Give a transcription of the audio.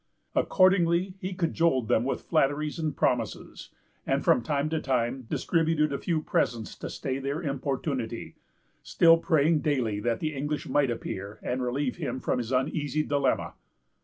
Accordingly, he cajoled them with flatteries and promises, and from time to time distributed a few presents to stay their importunity, still praying daily that the English might appear and relieve him from his uneasy dilemma.